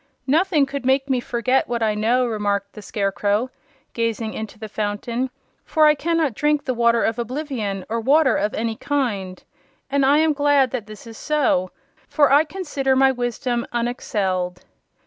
"Nothing could make me forget what I know," remarked the Scarecrow, gazing into the fountain, "for I cannot drink the Water of Oblivion or water of any kind. And I am glad that this is so, for I consider my wisdom unexcelled."